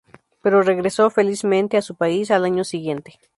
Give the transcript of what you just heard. Pero regresó, felizmente, a su país al año siguiente.